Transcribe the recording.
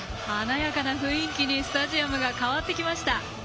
華やかな雰囲気にスタジアムが変わってきました。